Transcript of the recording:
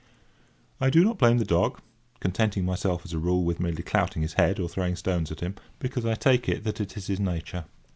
I do not blame the dog (contenting myself, as a rule, with merely clouting his head or throwing stones at him), because I take it that it is his nature.